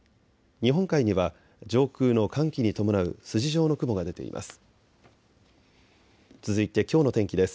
日本海には上空の寒気に伴う筋状の雲が出ています。